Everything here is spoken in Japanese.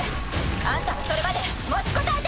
あんたはそれまで持ちこたえて！